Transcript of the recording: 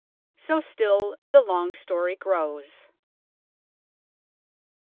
So still the long story grows.